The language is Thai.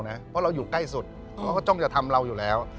เพราะเราอยู่ใกล้สุดเขาก็จ้องจะทำเราอยู่แล้ว